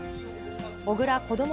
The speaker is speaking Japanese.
小倉こども